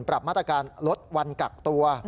ปรับมาตรการลดวันกักตัว